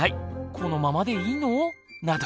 このままでいいの⁉など。